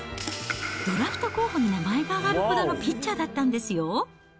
ドラフト候補に名前が挙がるほどのピッチャーだったんですよ。